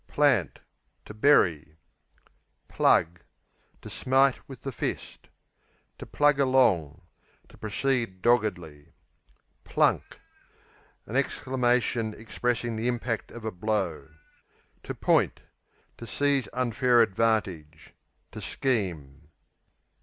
Plant To bury. Plug To smite with the fist. Plug along, to To proceed doggedly. Plunk An exclamation expressing the impact of a blow. Point, to To seize unfair advantage; to scheme.